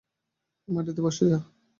মাটিতে বসে যা।